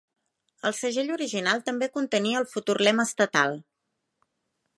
El segell original també contenia el futur lema estatal.